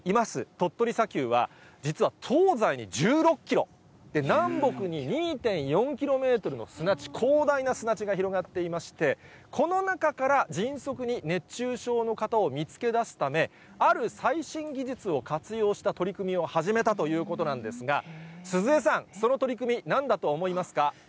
鳥取砂丘は実は東西に１６キロ、南北に２．４キロメートルの砂地、広大な砂地が広がっていまして、この中から迅速に熱中症の方を見つけ出すため、ある最新技術を活用した取り組みを始めたということなんですが、鈴江さん、その取り組み、なんだと思いますか？